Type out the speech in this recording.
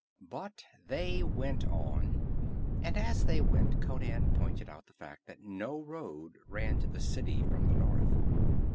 But they went on, and as they went Conan pointed out the fact that no road ran to the city from the north.